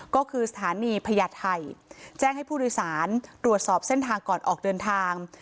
ก็คือสถานีพญาไทยแจ้งให้ผู้โดยสารตรวจสอบเส้นทางก่อนออกเดินทาง